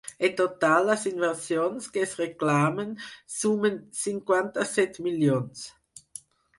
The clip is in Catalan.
En total, les inversions que es reclamen sumen cinquanta-set milions.